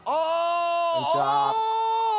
こんにちは。